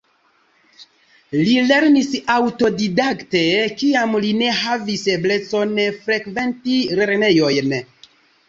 Li lernis aŭtodidakte, kiam li ne havis eblecon frekventi lernejojn.